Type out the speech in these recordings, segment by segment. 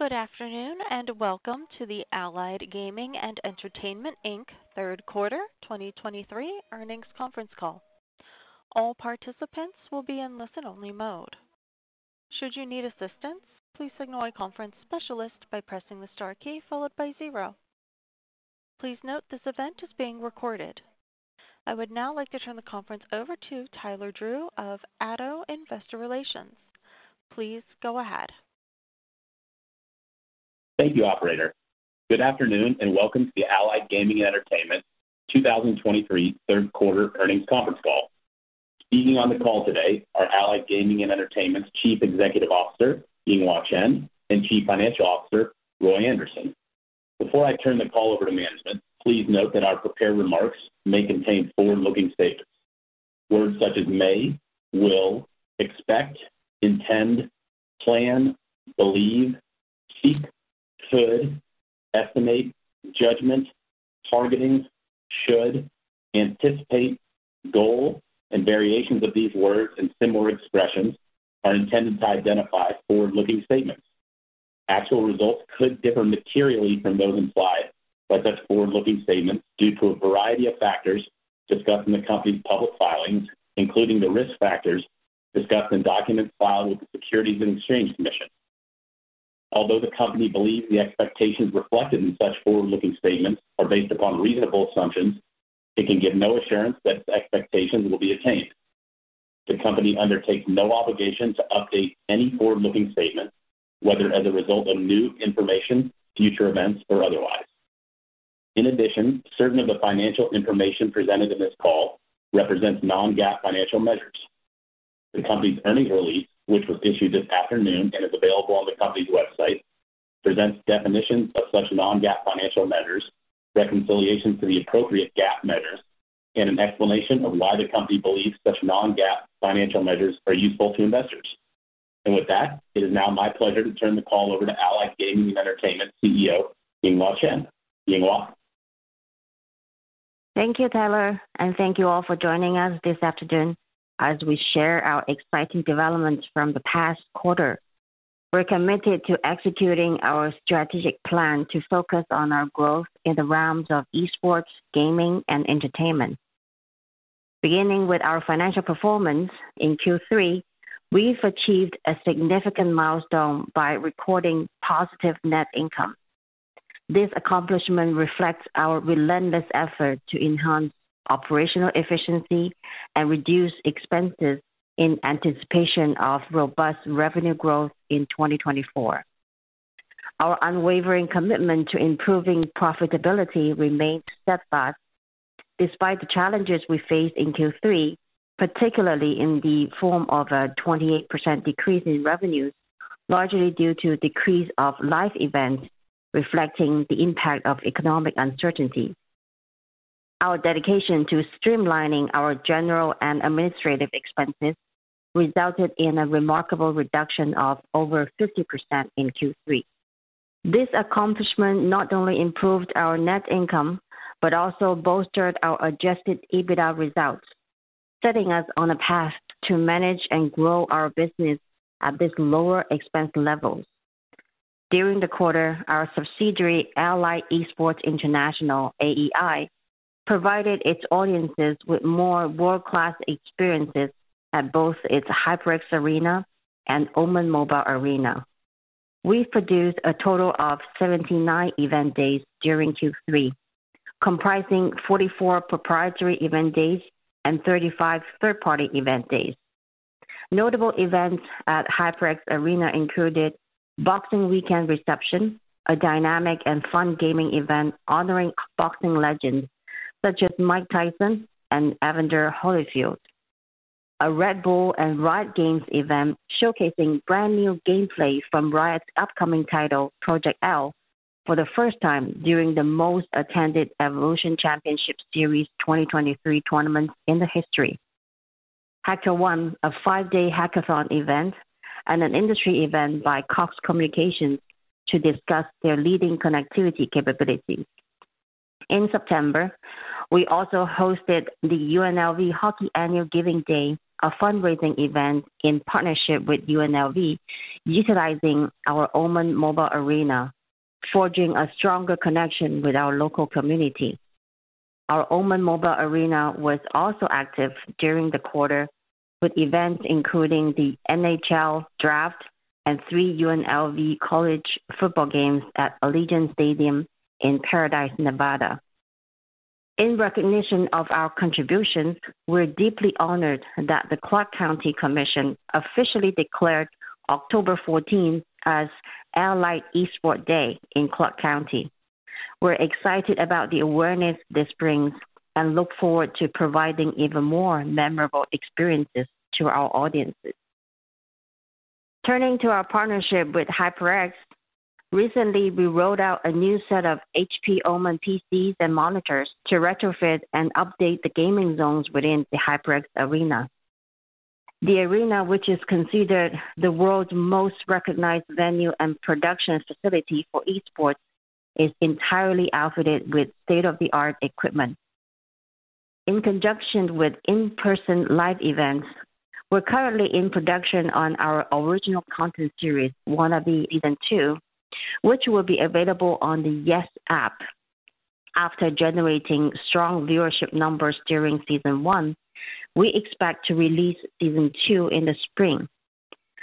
Good afternoon, and welcome to the Allied Gaming and Entertainment, Inc. third quarter 2023 earnings conference call. All participants will be in listen-only mode. Should you need assistance, please signal a conference specialist by pressing the star key followed by zero. Please note, this event is being recorded. I would now like to turn the conference over to Tyler Drew of ADDO Investor Relations. Please go ahead. Thank you, operator. Good afternoon, and welcome to the Allied Gaming & Entertainment 2023 third quarter earnings conference call. Speaking on the call today are Allied Gaming & Entertainment's Chief Executive Officer, Yinghua Chen, and Chief Financial Officer, Roy Anderson. Before I turn the call over to management, please note that our prepared remarks may contain forward-looking statements. Words such as may, will, expect, intend, plan, believe, seek, could, estimate, judgment, targeting, should, anticipate, goal, and variations of these words and similar expressions are intended to identify forward-looking statements. Actual results could differ materially from those implied by such forward-looking statements due to a variety of factors discussed in the company's public filings, including the risk factors discussed in documents filed with the Securities and Exchange Commission. Although the company believes the expectations reflected in such forward-looking statements are based upon reasonable assumptions, it can give no assurance that its expectations will be attained. The company undertakes no obligation to update any forward-looking statements, whether as a result of new information, future events, or otherwise. In addition, certain of the financial information presented in this call represents non-GAAP financial measures. The company's earnings release, which was issued this afternoon and is available on the company's website, presents definitions of such non-GAAP financial measures, reconciliation to the appropriate GAAP measures, and an explanation of why the company believes such non-GAAP financial measures are useful to investors. With that, it is now my pleasure to turn the call over to Allied Gaming & Entertainment CEO Yinghua Chen. Yinghua? Thank you, Tyler, and thank you all for joining us this afternoon as we share our exciting developments from the past quarter. We're committed to executing our strategic plan to focus on our growth in the realms of Esports, gaming, and entertainment. Beginning with our financial performance in Q3, we've achieved a significant milestone by recording positive net income. This accomplishment reflects our relentless effort to enhance operational efficiency and reduce expenses in anticipation of robust revenue growth in 2024. Our unwavering commitment to improving profitability remained steadfast despite the challenges we faced in Q3, particularly in the form of a 28% decrease in revenues, largely due to a decrease of live events, reflecting the impact of economic uncertainty. Our dedication to streamlining our general and administrative expenses resulted in a remarkable reduction of over 50% in Q3. This accomplishment not only improved our net income but also bolstered our adjusted EBITDA results, setting us on a path to manage and grow our business at this lower expense level. During the quarter, our subsidiary, Allied Esports International, AEI, provided its audiences with more world-class experiences at both its HyperX Arena and OMEN Mobile Arena. We produced a total of 79 event days during Q3, comprising 44 proprietary event days and 35 third-party event days. Notable events at HyperX Arena included Boxing Weekend Reception, a dynamic and fun gaming event honoring boxing legends such as Mike Tyson and Evander Holyfield, a Red Bull and Riot Games event showcasing brand-new gameplay from Riot's upcoming title, Project L, for the first time during the most attended Evolution Championship Series 2023 tournaments in the history. HackerOne, a 5-day hackathon event, and an industry event by Cox Communications to discuss their leading connectivity capabilities. In September, we also hosted the UNLV Hockey Annual Giving Day, a fundraising event in partnership with UNLV, utilizing our OMEN Mobile Arena, forging a stronger connection with our local community. Our OMEN Mobile Arena was also active during the quarter, with events including the NHL Draft and 3 UNLV college football games at Allegiant Stadium in Paradise, Nevada. In recognition of our contributions, we're deeply honored that the Clark County Commission officially declared October 14 as Allied Esports Day in Clark County. We're excited about the awareness this brings and look forward to providing even more memorable experiences to our audiences. Turning to our partnership with HyperX, recently, we rolled out a new set of HP OMEN PCs and monitors to retrofit and update the gaming zones within the HyperX Arena. The arena, which is considered the world's most recognized venue and production facility for esports, is entirely outfitted with state-of-the-art equipment. In conjunction with in-person live events, we're currently in production on our original content series, Wannabe Season Two, which will be available on the YES App. After generating strong viewership numbers during season one, we expect to release season two in the spring.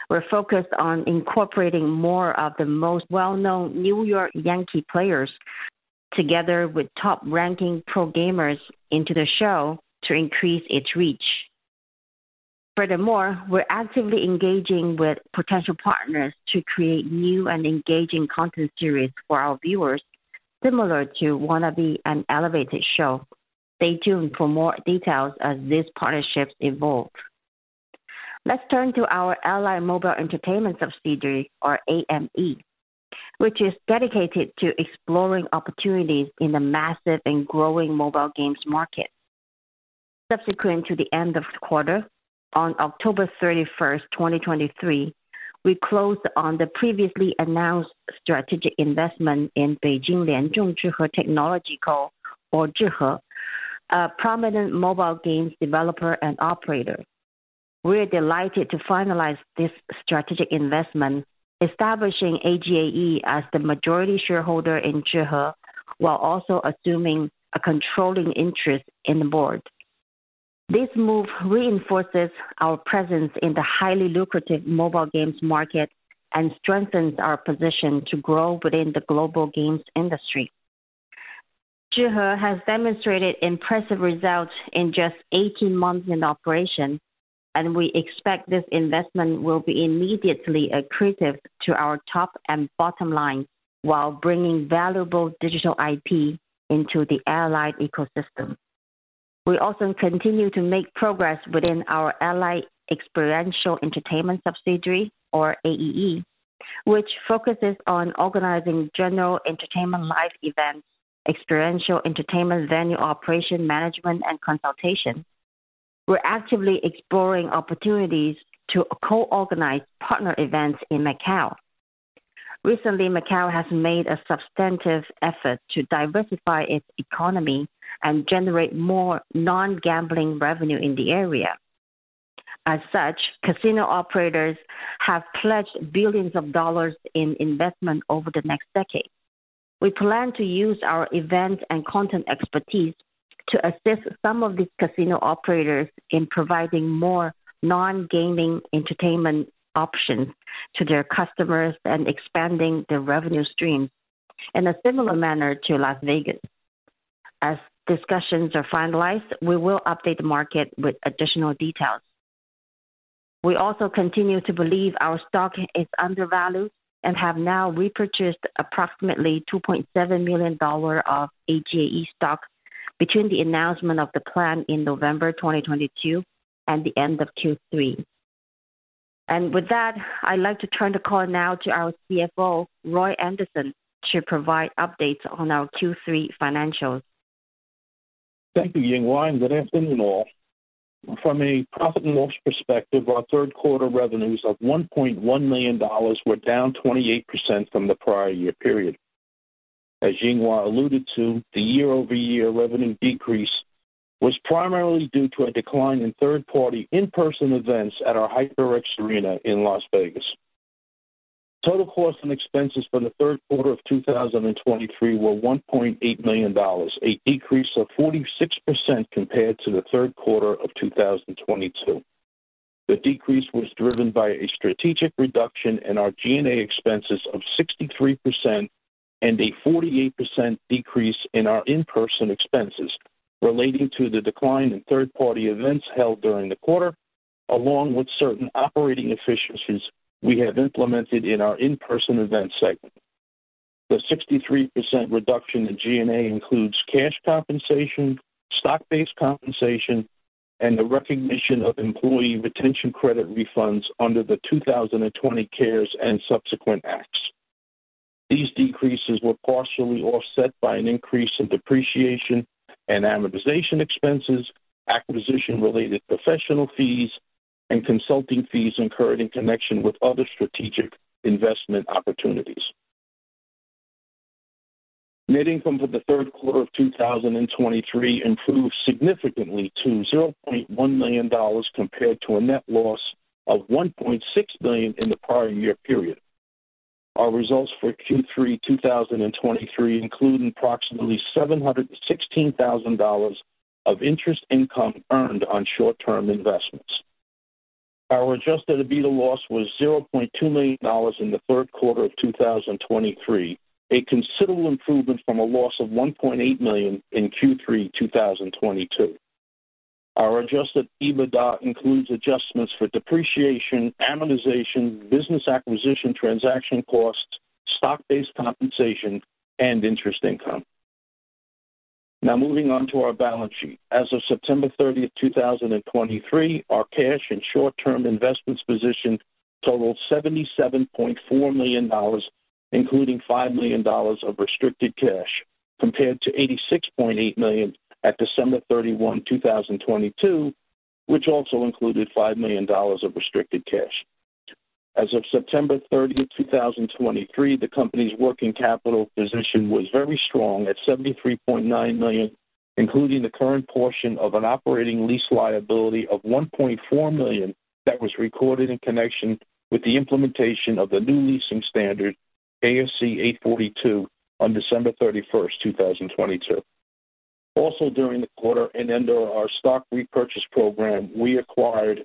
We're focused on incorporating more of the most well-known New York Yankees players, together with top-ranking pro gamers into the show to increase its reach. Furthermore, we're actively engaging with potential partners to create new and engaging content series for our viewers, similar to Wannabe, an Elevated show. Stay tuned for more details as these partnerships evolve. Let's turn to our Allied Mobile Entertainment subsidiary, or AME, which is dedicated to exploring opportunities in the massive and growing mobile games market. Subsequent to the end of the quarter, on October 31, 2023, we closed on the previously announced strategic investment in Beijing Lianzhong Zhihe Technology Co., or Zhihe, a prominent mobile games developer and operator. We're delighted to finalize this strategic investment, establishing AGAE as the majority shareholder in Zhihe, while also assuming a controlling interest in the board. This move reinforces our presence in the highly lucrative mobile games market and strengthens our position to grow within the global games industry. Zhihe has demonstrated impressive results in just 18 months in operation, and we expect this investment will be immediately accretive to our top and bottom line, while bringing valuable digital IP into the Allied ecosystem. We also continue to make progress within our Allied Experiential Entertainment subsidiary, or AEE, which focuses on organizing general entertainment live events, experiential entertainment venue operation, management, and consultation. We're actively exploring opportunities to co-organize partner events in Macau. Recently, Macau has made a substantive effort to diversify its economy and generate more non-gambling revenue in the area. As such, casino operators have pledged billions of dollars in investment over the next decade. We plan to use our event and content expertise to assist some of these casino operators in providing more non-gaming entertainment options to their customers and expanding their revenue stream in a similar manner to Las Vegas. As discussions are finalized, we will update the market with additional details. We also continue to believe our stock is undervalued and have now repurchased approximately $2.7 million of AGAE stock between the announcement of the plan in November 2022 and the end of Q3. With that, I'd like to turn the call now to our CFO, Roy Anderson, to provide updates on our Q3 financials. Thank you, Yinghua, and good afternoon, all. From a profit and loss perspective, our third quarter revenues of $1.1 million were down 28% from the prior year period. As Yinghua alluded to, the year-over-year revenue decrease was primarily due to a decline in third-party in-person events at our HyperX Arena in Las Vegas. Total costs and expenses for the third quarter of 2023 were $1.8 million, a decrease of 46% compared to the third quarter of 2022. The decrease was driven by a strategic reduction in our G&A expenses of 63% and a 48% decrease in our in-person expenses relating to the decline in third-party events held during the quarter, along with certain operating efficiencies we have implemented in our in-person event segment. The 63% reduction in G&A includes cash compensation, stock-based compensation, and the recognition of employee retention credit refunds under the 2020 CARES Act and subsequent acts. These decreases were partially offset by an increase in depreciation and amortization expenses, acquisition-related professional fees, and consulting fees incurred in connection with other strategic investment opportunities. Net income for the third quarter of 2023 improved significantly to $0.1 million, compared to a net loss of $1.6 billion in the prior year period. Our results for Q3 2023 include approximately $716,000 of interest income earned on short-term investments. Our adjusted EBITDA loss was $0.2 million in the third quarter of 2023, a considerable improvement from a loss of $1.8 million in Q3 2022. Our adjusted EBITDA includes adjustments for depreciation, amortization, business acquisition, transaction costs, stock-based compensation, and interest income. Now moving on to our balance sheet. As of September 30, 2023, our cash and short-term investments position totaled $77.4 million, including $5 million of restricted cash, compared to $86.8 million at December 31, 2022, which also included $5 million of restricted cash. As of September 30, 2023, the company's working capital position was very strong at $73.9 million, including the current portion of an operating lease liability of $1.4 million that was recorded in connection with the implementation of the new leasing standard, ASC 842, on December 31, 2022. Also, during the quarter and under our stock repurchase program, we acquired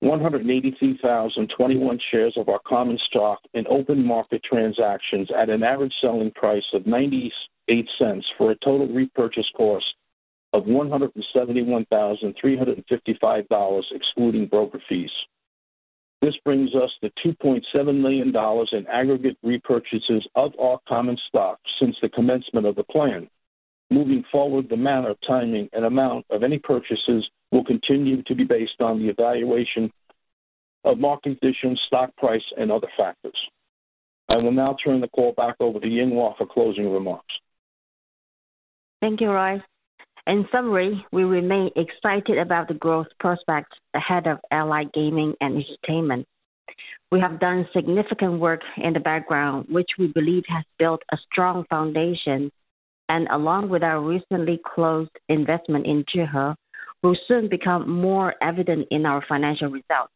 183,021 shares of our common stock in open market transactions at an average selling price of $0.98, for a total repurchase cost of $171,355, excluding broker fees. This brings us to $2.7 million in aggregate repurchases of our common stock since the commencement of the plan. Moving forward, the manner, timing, and amount of any purchases will continue to be based on the evaluation of market conditions, stock price, and other factors. I will now turn the call back over to Yinghua for closing remarks. Thank you, Roy. In summary, we remain excited about the growth prospects ahead of Allied Gaming and Entertainment. We have done significant work in the background, which we believe has built a strong foundation, and along with our recently closed investment in Zhihe, will soon become more evident in our financial results.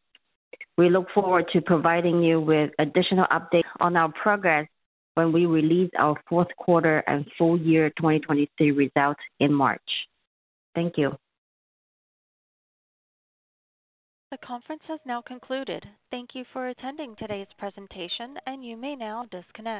We look forward to providing you with additional updates on our progress when we release our fourth quarter and full year 2023 results in March. Thank you. The conference has now concluded. Thank you for attending today's presentation, and you may now disconnect.